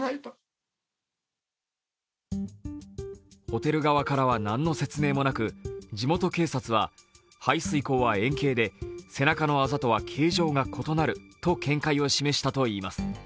ホテル側からは何の説明もなく地元警察は排水口は円形で、背中のあざとは形状が異なると見解を示したといいます。